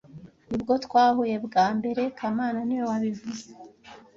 Nibwo twahuye bwa mbere kamana niwe wabivuze